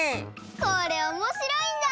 これおもしろいんだ！